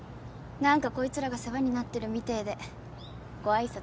なんかこいつらが世話になってるみてえでご挨拶に。